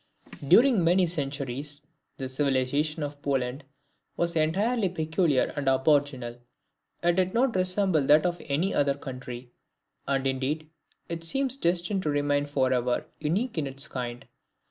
During many centuries, the civilization of Poland was entirely peculiar and aboriginal; it did not resemble that of any other country; and, indeed, it seems destined to remain forever unique in its kind.